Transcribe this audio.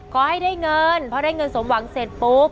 ขอให้ได้เงินพอได้เงินสมหวังเสร็จปุ๊บ